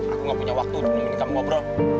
aku gak punya waktu untuk demi kamu ngobrol